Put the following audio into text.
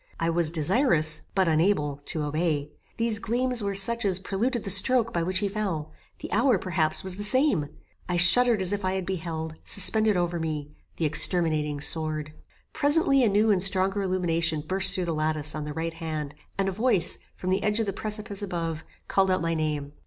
I was desirous, but unable, to obey; these gleams were such as preluded the stroke by which he fell; the hour, perhaps, was the same I shuddered as if I had beheld, suspended over me, the exterminating sword. Presently a new and stronger illumination burst through the lattice on the right hand, and a voice, from the edge of the precipice above, called out my name.